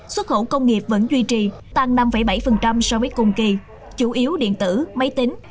xuất khẩu công nghiệp vẫn duy trì tăng năm bảy so với cùng kỳ chủ yếu điện tử máy tính